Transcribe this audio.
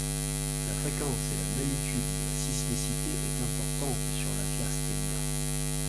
La fréquence et la magnitude de la sismicité est importante sur l’atlas tellien.